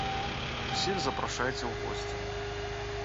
Усіх запрашайце ў госці.